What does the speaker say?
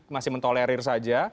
masih mentolerir saja